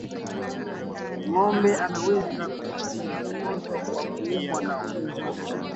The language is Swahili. Ngombe wanaweza kupata ugonjwa kwa kuumwa na mbungo